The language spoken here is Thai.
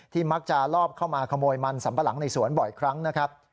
มักจะลอบเข้ามาขโมยมันสัมปะหลังในสวนบ่อยครั้งนะครับ